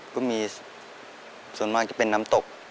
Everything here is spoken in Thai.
ก็มีส่วนมากจะเป็นน้ำตก